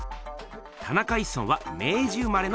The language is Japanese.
田中一村は明治生まれの画家。